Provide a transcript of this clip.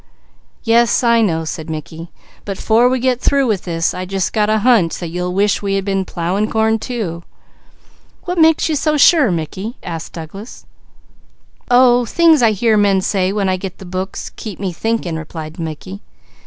"Yes, I know," said Mickey, "but 'fore we get through with this I just got a hunch that you'll wish we had been plowing corn, too." "What makes you so sure, Mickey?" said Douglas. "Oh things I hear men say when I get the books keep me thinking," replied Mickey.